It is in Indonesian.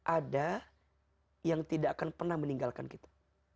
ada yang tidak akan pernah meninggalkan kita